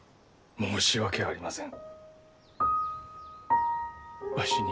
申し訳ありません！